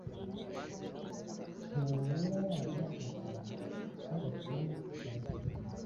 ntuvura abana gusa, n’abakuru barakira